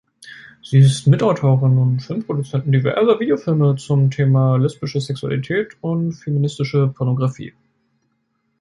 Sie ist Mitautorin und Filmproduzentin diverser Videofilme zum Thema lesbische Sexualität und feministische Pornografie.